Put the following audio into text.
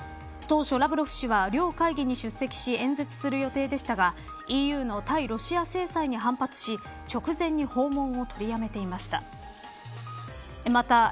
当初ラブロフ氏は、両会議に出席し演説する予定でしたがＥＵの対ロシア制裁に反発し直前に訪問を取りやめていました。